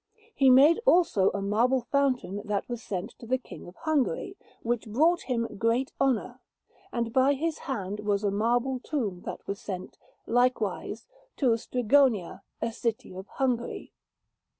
He made, also, a marble fountain that was sent to the King of Hungary, which brought him great honour; and by his hand was a marble tomb that was sent, likewise, to Strigonia, a city of Hungary.